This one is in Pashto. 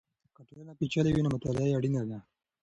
که ټولنه پېچلې وي نو مطالعه یې اړینه ده.